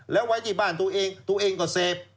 แล้วไว้ที่บ้านตัวเองตัวเองก็เสพ